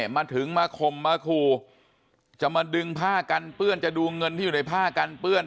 มาถึงมาข่มมาขู่จะมาดึงผ้ากันเปื้อนจะดูเงินที่อยู่ในผ้ากันเปื้อน